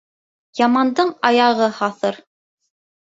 Ямандың аяғы һаҫыр.